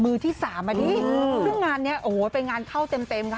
มือที่๓อันนี้เพราะงานเนี่ยโอ้โหเป็นงานเข้าเต็มค่ะ